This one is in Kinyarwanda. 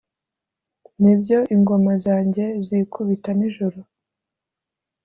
nibyo, ingoma zanjye zikubita nijoro,